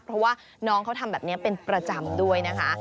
เพราะว่าน้องเขาทำแบบนี้เป็นประจำด้วยนะคะ